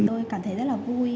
tôi cảm thấy rất là vui